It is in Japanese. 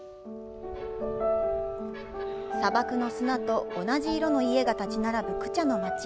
砂漠の砂と同じ色の家が建ち並ぶクチャの街。